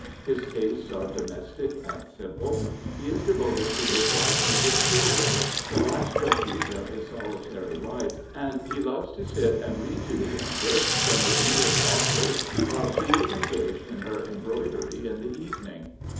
His tastes are domestic and simple. He is devoted to his wife and his children, the last refuge of his solitary life, and loves to sit and read to the Empress from the English authors while she is engaged in her embroidery in the evening.